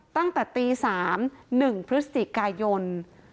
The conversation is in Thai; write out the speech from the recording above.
ตั้งแต่ตีสามหนึ่งพฤศจิกายน